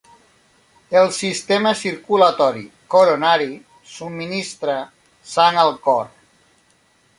El sistema circulatori coronari subministra sang al cor.